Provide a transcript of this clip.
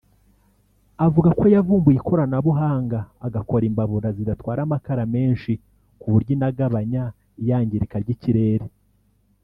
avuga ko yavumbuye ikoranabuhanga agakora imbabura zidatwara amakara menshi ku buryo inagabanya iyangirika ry’ikirere